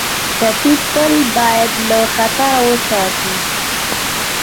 ټپي ته باید له خطره وساتو.